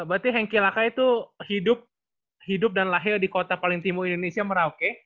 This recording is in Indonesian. berarti hengki laka itu hidup dan lahir di kota paling timur indonesia merauke